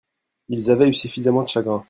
Ils avaient eu suffissament de chagrin.